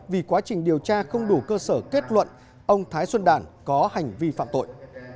vì quá trình điều tra không đủ cơ sở kết luận ông thái xuân đàn có hành vi phạm tội